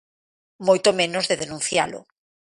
Moito menos de denuncialo.